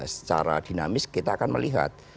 secara dinamis kita akan melihat